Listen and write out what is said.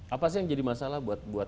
apa sih yang jadi masalah buat